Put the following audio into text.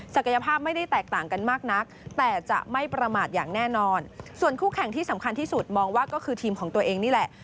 ภาพไม่ได้แตกต่างกันมากนักแต่จะไม่ประมาทอย่างแน่นอนส่วนคู่แข่งที่สำคัญที่สุดมองว่าก็คือทีมของตัวเองนี่แหละ